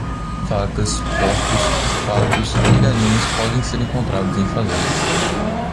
Vacas, porcos, patos e galinhas podem ser encontrados em fazendas